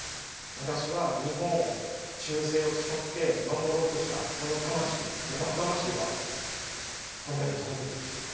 私は日本を忠誠を誓って守ろうとしたこの魂大和魂はこの世にとどめていきます。